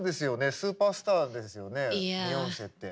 スーパースターですよねビヨンセって。